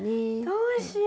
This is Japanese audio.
どうしよう。